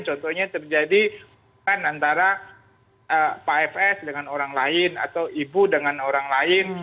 contohnya terjadi antara pak fs dengan orang lain atau ibu dengan orang lain